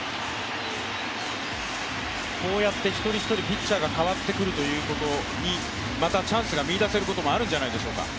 こうやって一人一人ピッチャーが代わってくるということにまたチャンスが見いだせることもあるんじゃないでしょうか。